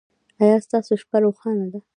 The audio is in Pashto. ایا ستاسو شپه روښانه ده؟